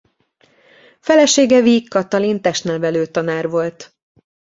Felesége Vigh Katalin testnevelő tanár volt.